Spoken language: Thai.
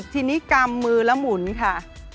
ทีนี้กำมือแล้วหมุนค่ะ